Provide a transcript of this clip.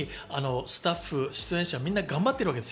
スタッフ、出演者、みんな頑張ってるわけです。